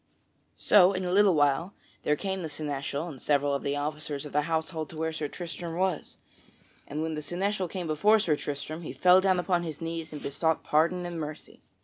So, in a little while, there came the seneschal and several of the officers of the household to where Sir Tristram was, and when the seneschal came before Sir Tristram, he fell down upon his knees and besought pardon and mercy.